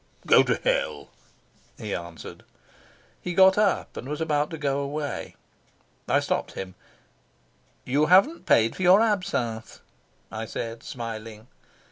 "Go to hell," he answered. He got up and was about to go away. I stopped him. "You haven't paid for your absinthe," I said, smiling.